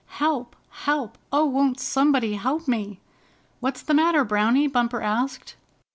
"Help! Help! Oh, won't somebody help me?" "What's the matter, Browny?" Bumper asked.